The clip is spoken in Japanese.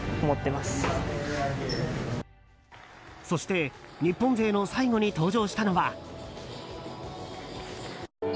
そして日本勢の最後に登場したのは。